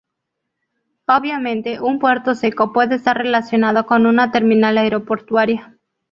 Obviamente, un puerto seco puede estar relacionado con una terminal aeroportuaria.